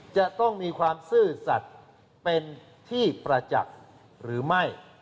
จะต้องมีความซื่อสัตว์เป็นที่ประจักษ์หรือไม่